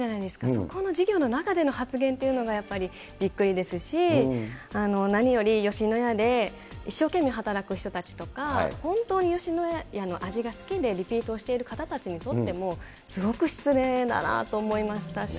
そこの授業の中での発言というのがやっぱりびっくりですし、なにより吉野家で一生懸命働く人たちとか、本当に吉野家の味が好きで、リピートをしている方たちにとっても、すごく失礼だなと思いましたし。